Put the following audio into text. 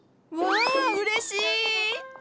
わうれしい！